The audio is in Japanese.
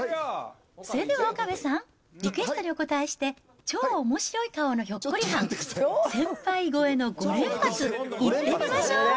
それでは岡部さん、リクエストにお応えして、超おもしろい顔のひょっこりはん、先輩越えの５連発、いってみましょう。